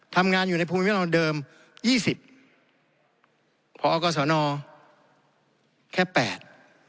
ทำงานอยู่ในภูมิลำเดิมยี่สิบพอกศนแค่แปด